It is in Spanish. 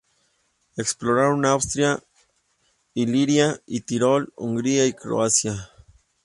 Exploraron Austria, Iliria y Tirol, Hungría, Croacia.